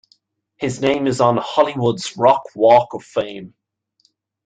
His name is on "Hollywood's Rock Walk of Fame".